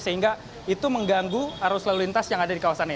sehingga itu mengganggu arus lalu lintas yang ada di kawasan ini